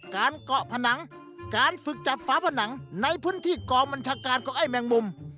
การเกาะผนังการฝึกจับฝาผนังในพื้นที่กองบัญชาการของไอ้แมงมุม